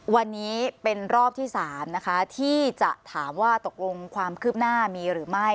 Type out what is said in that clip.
วันนี้เป็นรอบที่๓นะคะที่จะถามว่าตกลงความคืบหน้ามีหรือไม่